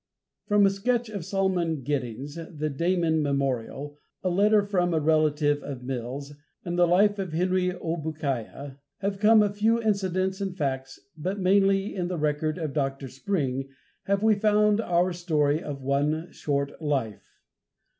From a sketch of Salmon Giddings, the Damon Memorial, a letter from a relative of Mills, and the life of Henry Obookiah have come a few incidents and facts, but mainly in the record of Dr. Spring have we found our Story of One Short Life.